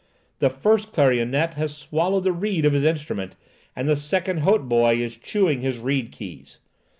The first clarionet has swallowed the reed of his instrument, and the second hautboy is chewing his reed keys.